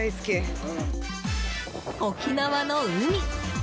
沖縄の海！